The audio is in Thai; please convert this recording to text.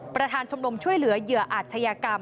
ประธานชมรมช่วยเหลือเหยื่ออาชญากรรม